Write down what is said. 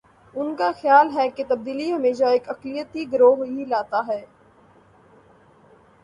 ان کا خیال ہے کہ تبدیلی ہمیشہ ایک اقلیتی گروہ ہی لاتا ہے۔